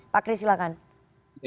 pak chris silahkan